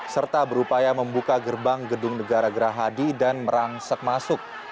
serta berupaya membuka gerbang gedung negara gerahadi dan merangsek masuk